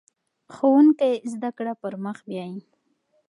ښوونکی زده کړه پر مخ بیايي.